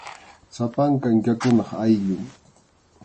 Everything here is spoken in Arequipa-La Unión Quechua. Sapanka inkakunap ayllun.